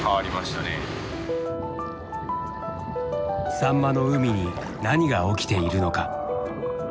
サンマの海に何が起きているのか。